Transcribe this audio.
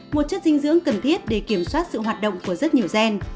một chất dinh dưỡng cần thiết để kiểm soát sự hoạt động của rất nhiều gen